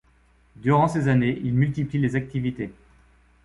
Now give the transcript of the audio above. Durant ces années, il multiplie les activités.